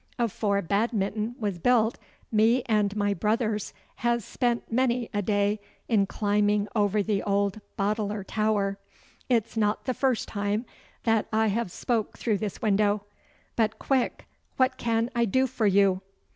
Afore Badminton was built, me and my brothers has spent many a day in climbing over the old Boteler tower. It's not the first time that I have spoke through this window. But, quick; what can I do for you?